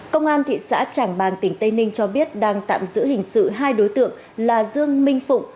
công an thị xã trảng bàng tỉnh tây ninh cho biết đang tạm giữ hình sự hai đối tượng là dương minh phụng